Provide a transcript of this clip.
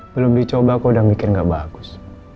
belum dicoba kok udah mikir gak bagus